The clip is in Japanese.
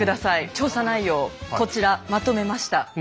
調査内容をこちらまとめました。